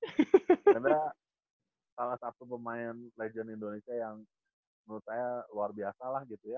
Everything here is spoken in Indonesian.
karena salah satu pemain legends indonesia yang menurut saya luar biasa lah gitu ya